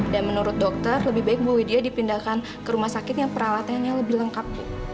dan menurut dokter lebih baik bu widya dipindahkan ke rumah sakit yang peralatan yang lebih lengkap